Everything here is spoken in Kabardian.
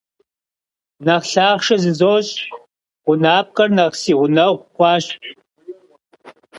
Нэхъ лъахъшэ зызощӀ — гъунапкъэр нэхъ си гъунэгъу хъуащ.